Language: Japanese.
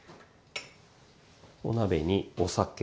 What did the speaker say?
お鍋にお酒。